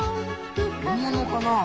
本物かな？